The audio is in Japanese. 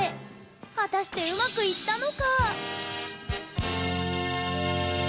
果たして、うまくいったのか？